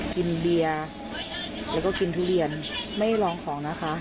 กินเบียร์แล้วก็กินทุเรียนไม่ลองของนะคะ